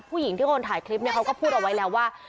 ผู้หญิงที่คนถ่ายคลิปเนี่ยเขาก็พูดเอาไว้แล้วว่า